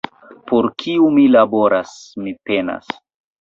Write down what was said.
Por kiu mi laboras, mi penas?